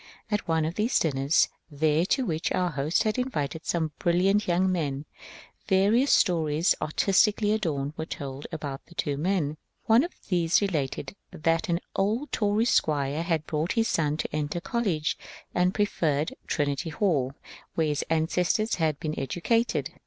At one of the dinners there to which our hosts had invited some brilliant young men, various stories, artistically adorned, were told about the two men. One of these related that an old Tory squire had brought his son to enter college, and preferred Trinity Hall, where his ancestors had been educated.